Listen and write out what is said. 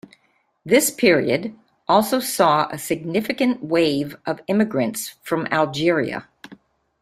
This period also saw a significant wave of immigrants from Algeria.